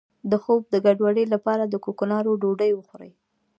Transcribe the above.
د خوب د ګډوډۍ لپاره د کوکنارو ډوډۍ وخورئ